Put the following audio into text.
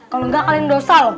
kalau enggak kalian dosa loh